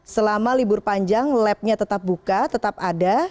selama libur panjang lab nya tetap buka tetap ada